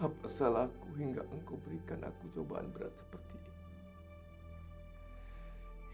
apa salahku hingga engkau berikan aku cobaan berat seperti ini